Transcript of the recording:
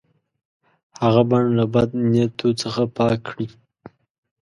هغه بڼ له بد نیتو څخه پاک کړي.